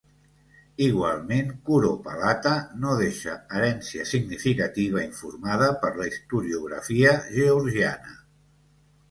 Igualment curopalata, no deixa herència significativa informada per la historiografia georgiana.